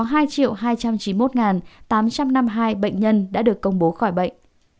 có hai hai trăm chín mươi một tám trăm năm mươi hai bệnh nhân đã được công bố khỏi bệnh